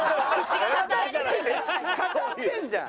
語ってんじゃん。